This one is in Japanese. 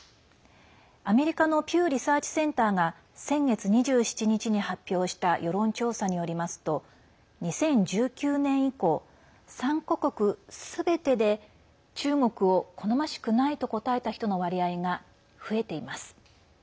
アメリカのピュー・リサーチセンターが先月２７日に発表した世論調査によりますと２０１９年以降、３か国すべてで中国を好ましくないと答えた人の割合が増えています。